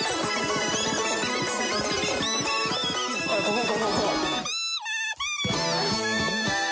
ここ！